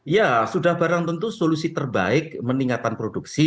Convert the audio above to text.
ya sudah barang tentu solusi terbaik meningkatkan produksi